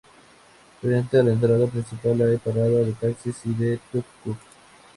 Frente a la entrada principal hay parada de taxis y de tuk-tuk.